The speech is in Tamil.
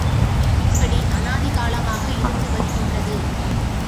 இப்படி அநாதி காலமாக இருந்து வருகின்றது.